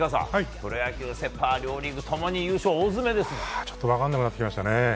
プロ野球、セ・パ両リーグともに分からなくなってきましたね。